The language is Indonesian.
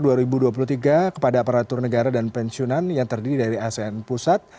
pada tahun dua ribu dua puluh tiga kepada aparatur negara dan pensiunan yang terdiri dari asn pusat